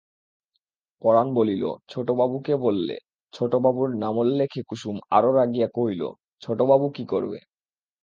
পরাণ বলিল, ছোটবাবুকে বললেছোটবাবুর নামোল্লেখে কুসুম আরও রাগিয়া কহিল, ছোটবাবু কী করবে?